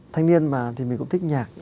thanh niên mà thì mình cũng thích nhạc